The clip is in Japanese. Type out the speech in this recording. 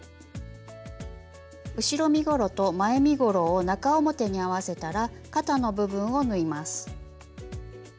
後ろ身ごろと前身ごろを中表に合わせたら肩の部分を縫います。